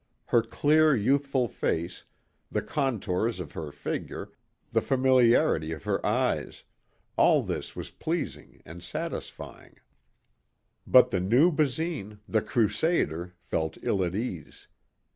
Her clear youthful face, the contours of her figure, the familiarity of her eyes all this was pleasing and satisfying. But the new Basine the crusader, felt ill at ease.